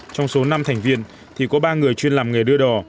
trong số năm thành viên thì có ba người chuyên làm nghề đưa đò